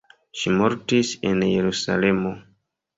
Ŝi mortis en Jerusalemo.